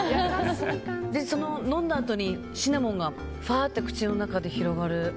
飲んだあとにシナモンがふわっと口の中で広がる。